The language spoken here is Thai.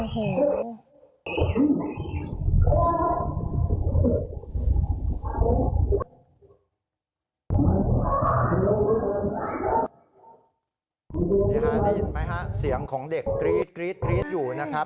เห็นไหมคะเสียงของเด็กกรี๊ดอยู่นะครับ